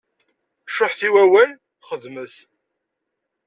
Cuḥḥet i wawal, xedmet!